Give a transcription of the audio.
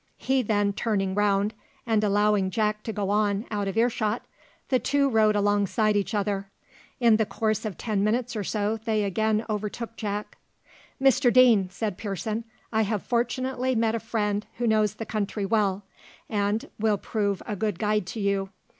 He then turning round, and allowing Jack to go on out of ear shot, the two rode alongside each other. In the course of ten minutes or so they again overtook Jack. "Mr Deane," said Pearson, "I have fortunately met a friend who knows the country well, and will prove a good guide to you.